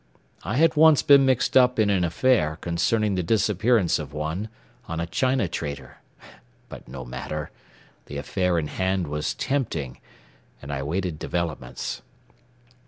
I had once been mixed up in an affair concerning the disappearance of one, on a China trader but no matter. The affair in hand was tempting and I waited developments.